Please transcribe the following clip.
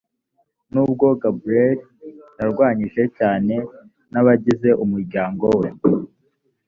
nubwo garber yarwanyijwe cyane n abagize umuryango we